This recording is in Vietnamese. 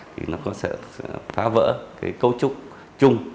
thì nó có sự phá vỡ cái cấu trúc chung